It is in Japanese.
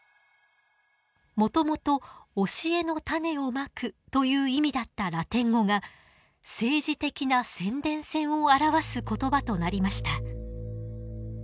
もともと教えの種をまくという意味だったラテン語が政治的な宣伝戦を表す言葉となりました。